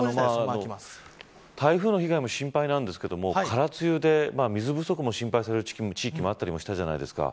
台風の被害も心配なんですけど空梅雨で水不足も心配される地域もあったりしたじゃないですか。